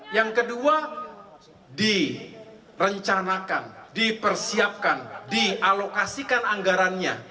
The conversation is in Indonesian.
yang kedua direncanakan dipersiapkan dialokasikan anggarannya